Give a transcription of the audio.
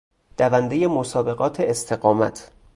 دوندهی مسابقات استقامت